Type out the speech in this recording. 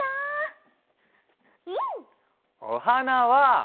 おはなは。